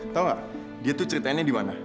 tau gak dia tuh ceritainnya dimana